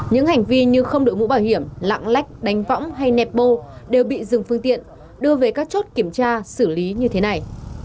những hành vi như không đổi mũ bảo hiểm lạng lách đánh võng hay nẹp bô đều bị dừng phương tiện đưa về các chốt kiểm tra xử lý như thế này